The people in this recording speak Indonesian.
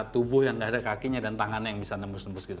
tubuh yang tidak ada kakinya dan tangannya yang bisa nembus nembus gitu